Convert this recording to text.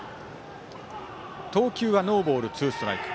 投球はノーボールツーストライク。